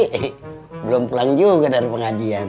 belum pulang juga dari pengajian